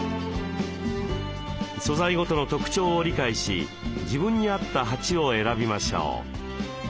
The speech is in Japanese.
素材ごとの特徴を理解し自分にあった鉢を選びましょう。